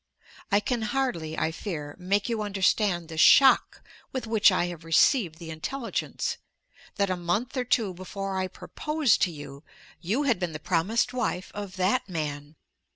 I can hardly, I fear, make you understand the shock with which I have received the intelligence, that a month or two before I proposed to you you had been the promised wife of that man.